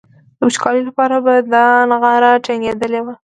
د وچکالۍ لپاره به دا نغاره ډنګېدلي وي.